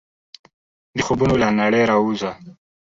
د خوبونو له نړۍ راووځه !